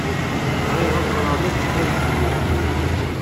Bɣiɣ ad ẓreɣ ma tecfamt fell-i.